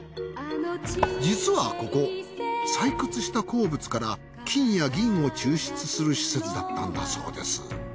実はここ採掘した鉱物から金や銀を抽出する施設だったんだそうです。